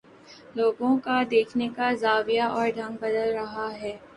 لوگوں کا دیکھنے کا زاویہ اور ڈھنگ بدل رہا ہے